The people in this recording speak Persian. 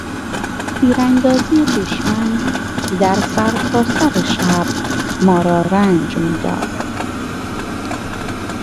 تیراندازی دشمن در سرتاسر شب ما را رنج میداد.